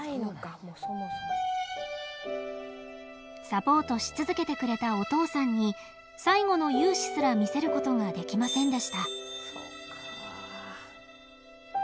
サポートし続けてくれたお父さんに最後の雄姿すら見せることができませんでした。